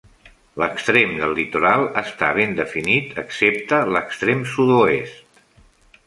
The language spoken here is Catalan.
L'extrem del litoral està ben definit excepte l'extrem sud-oest.